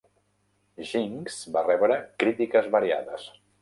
"Jinx" va rebre crítiques variades.